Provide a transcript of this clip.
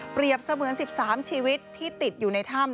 เสมือน๑๓ชีวิตที่ติดอยู่ในถ้ำ